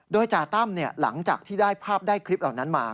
โดยจ่าตั้มหลังจากที่ได้ภาพได้คลิปเหล่านั้นมา